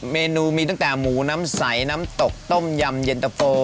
เมนูมีตั้งแต่หมูน้ำใสน้ำตกต้มยำเย็นตะโฟ